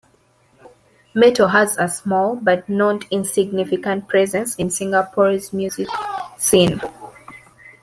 Metal has a small but not insignificant presence in Singapore's music scene.